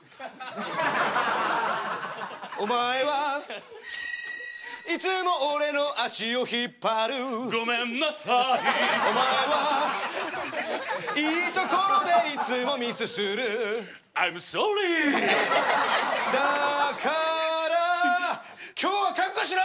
お前はいつも俺の足を引っ張るごめんなさいお前はいいところでいつもミスするアイムソーリーだから今日は覚悟しろ！